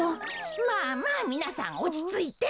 まあまあみなさんおちついて。